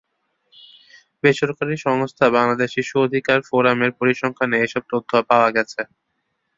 বেসরকারি সংস্থা বাংলাদেশ শিশু অধিকার ফোরামের পরিসংখ্যানে এসব তথ্য পাওয়া গেছে।